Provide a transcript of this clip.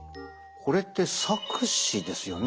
これって錯視ですよね？